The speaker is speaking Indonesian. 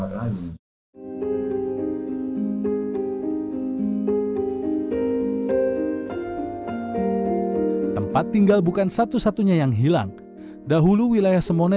kerendam ya nggak bisa